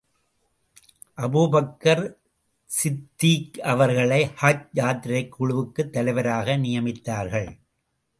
Abu Bakr Siddiq அவர்களை ஹஜ் யாத்திரைக் குழுவுக்குத் தலைவராக நியமித்தார்கள்.